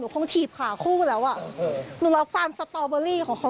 คงถีบขาคู่ไปแล้วอ่ะหนูรับความสตอเบอรี่ของเขา